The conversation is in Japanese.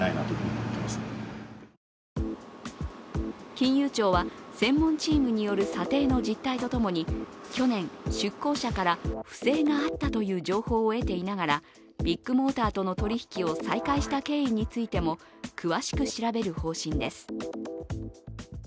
金融庁は専門チームによる査定の実態とともに去年、出向者から不正があったという情報を得ていながらビッグモーターとの取引を再開した経緯についても詳しく調べる方針です。